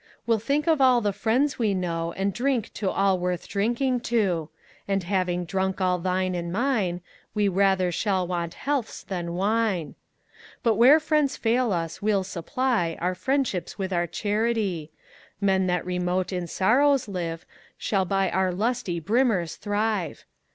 We'll think of all the Friends we know, And drink to all worth drinking to; When having drunk all thine and mine, We rather shall want healths than wine. But where Friends fail us, we'll supply Our friendships with our charity; Men that remote in sorrows live, Shall by our lusty brimmers thrive.